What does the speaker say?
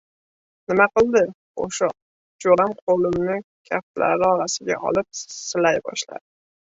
— Nima qildi, Qo‘sho? — jo‘ram qo‘limni kaftlari orasiga olib, silay boshladi.